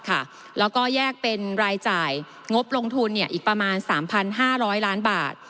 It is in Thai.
แล้วก็แยกเป็นรายจ่ายงบลงทุนอีกประมาณ๓๕๐๐ล้านบาท